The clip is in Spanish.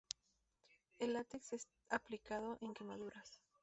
El látex es aplicado en quemaduras.